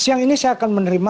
siang ini saya akan menerima